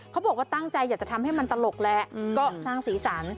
เขาบอกว่าตั้งใจอยากจะทำให้มันตลกแหละก็สร้างสีสัน